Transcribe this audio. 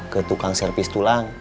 ke tukang servis tulang